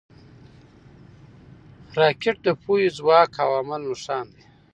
راکټ د پوهې، ځواک او عمل نښان دی